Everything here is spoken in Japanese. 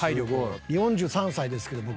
４３歳ですけど僕。